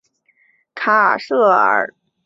卡舍尔教省就是以该镇命名。